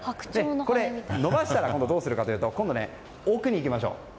伸ばしたらどうするかというと今度、奥に行きましょう。